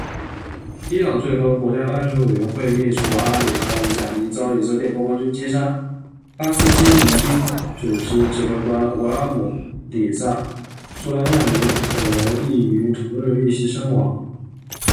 伊朗最高国家安全委员会秘书阿里·拉里贾尼遭以色列国防军击杀；巴斯基民兵组织指挥官吴拉姆-礼萨·苏莱曼尼等人亦于同日遇袭身亡。